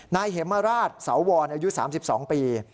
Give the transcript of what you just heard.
นายเหมราชเสาวรอายุ๓๒ปี